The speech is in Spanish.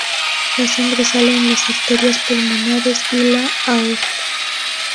La sangre sale en las arterias pulmonares y la aorta.